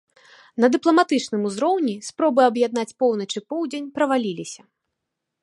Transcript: На дыпламатычным узроўні спробы аб'яднаць поўнач і поўдзень праваліліся.